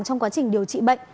trong quá trình điều trị bệnh